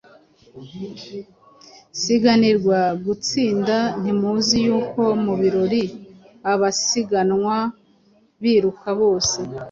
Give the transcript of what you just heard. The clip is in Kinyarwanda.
siganirwa gutsinda Ntimuzi yuko mu birori abasiganwa biruka bose,